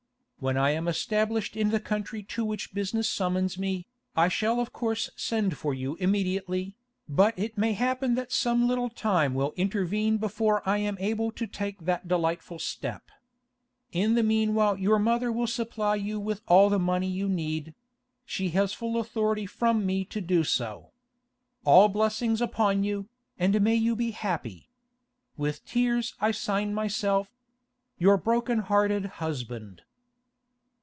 When I am established in the country to which business summons me, I shall of course send for you immediately, but it may happen that some little time will intervene before I am able to take that delightful step. In the meanwhile your mother will supply you with all the money you need; she has full authority from me to do so. All blessings upon you, and may you be happy.—With tears I sign myself, 'YOUR BROKEN HEARTED HUSBAND.